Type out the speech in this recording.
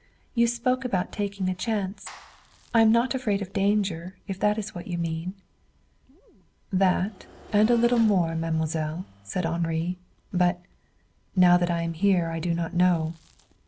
"You spoke about taking a chance. I am not afraid of danger, if that is what you mean." "That, and a little more, mademoiselle," said Henri. "But now that I am here I do not know."